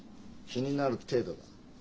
気になる程度だ。